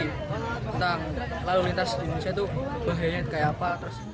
tentang lalu lintas di indonesia itu bahayanya kayak apa